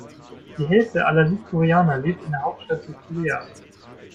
Die Hälfte aller Südkoreaner lebt in der Hauptstadt Südkoreas.